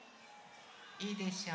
いいでしょう？